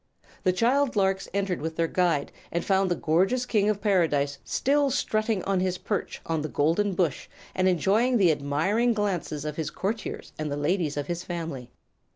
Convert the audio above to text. The child larks entered with their guide and found the gorgeous King Bird of Paradise still strutting on his perch on the golden bush and enjoying the admiring glances of his courtiers and the ladies of his family.